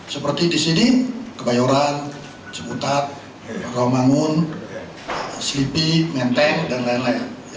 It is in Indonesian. seperti di sini kebayoran jeputat romangun sleepy menteng dan lain lain